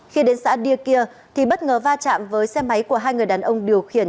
khi đến xã đi kia thì bất ngờ va chạm với xe máy của hai người đàn ông điều khiển